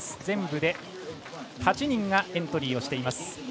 全部で８人がエントリーしています。